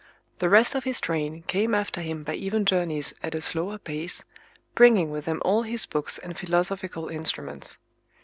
The rest of his train came after him by even journeys at a slower pace, bringing with them all his books and philosophical instruments.